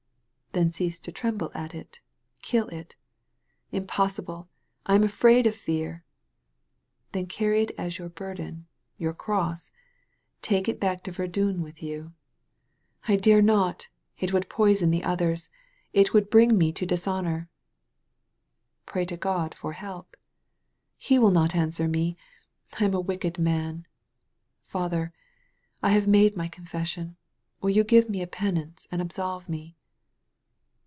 "Then cease to tremble at it; kill it." "Impossible. I am afraid of fear." "Then carry it as your burden, your cross. Take it back to Verdun with you." 116 THE BROKEN SOLDIER ''I dare not. It would poison the others. It would bring me to dishonor.'* "Pray to God for help." "He will not answer me. I am a wicked man. Father, I have made my confession. Will you give me a penance and absolve me?"